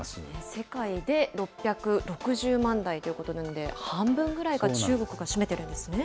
世界で６６０万台ということなので、半分ぐらいが中国が占めてるんですね。